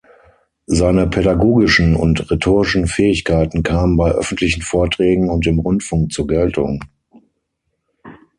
Seine pädagogischen und rhetorischen Fähigkeiten kamen bei öffentlichen Vorträgen und im Rundfunk zur Geltung.